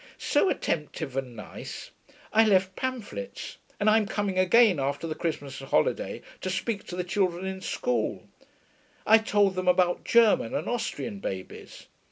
'So attentive and nice. I left pamphlets; and I'm coming again after the Christmas holiday to speak to the children in school. I told them about German and Austrian babies....